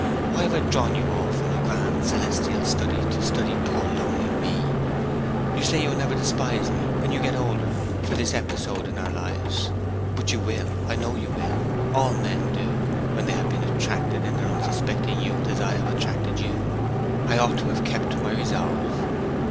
Why have I drawn you off from a grand celestial study to study poor lonely me? Say you will never despise me, when you get older, for this episode in our lives. But you will, I know you will! All men do, when they have been attracted in their unsuspecting youth, as I have attracted you. I ought to have kept my resolve.'